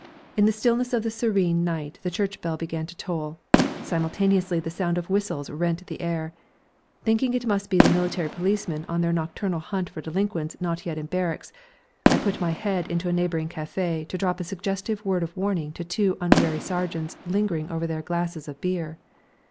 In the stillness of the serene night the church bell began to toll; simultaneously the sound of whistles rent the air. Thinking it must be the military policemen on their nocturnal hunt for delinquents not yet in barracks, I put my head into a neighbouring café to drop a suggestive word of warning to two unwary sergeants lingering over their glasses of beer.